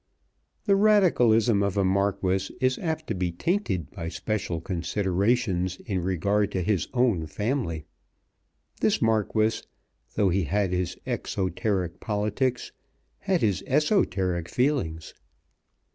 The radicalism of a Marquis is apt to be tainted by special considerations in regard to his own family. This Marquis, though he had his exoteric politics, had his esoteric feelings.